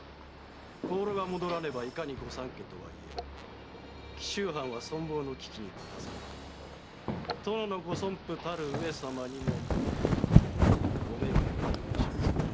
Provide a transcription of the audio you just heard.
香炉が戻らねばいかに御三家とはいえ紀州藩は存亡の危機に立たされ殿のご尊父たる上様にもご迷惑が及びましょうぞ。